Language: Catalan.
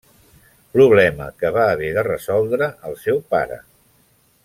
Problema que va haver de resoldre el seu pare.